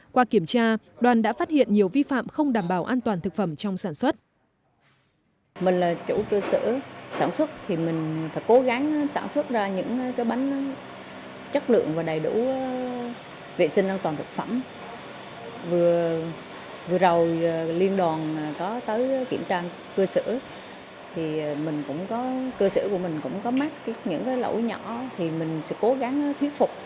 qua kiểm tra đoàn đã phát hiện nhiều vi phạm không đảm bảo an toàn thực phẩm trong sản xuất